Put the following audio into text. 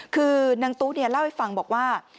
คือนางตุ๊กเนี่ยเล่าให้ฟังบอกว่า